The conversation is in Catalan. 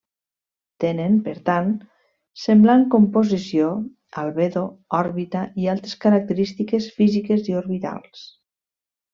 Tenen, per tant, semblant composició, albedo, òrbita i altres característiques físiques i orbitals.